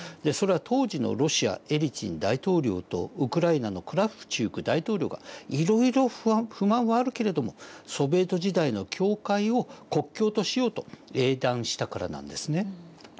それは当時のロシアエリツィン大統領とウクライナのクラフチュク大統領がいろいろ不満はあるけれどもソビエト時代の境界を国境としようと英断したからなんですね。